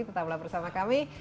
tetaplah bersama kami